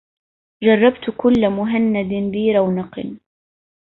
جربت كل مهند ذي رونقٍ